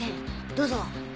どうぞ。